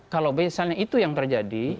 kalau misalnya itu yang terjadi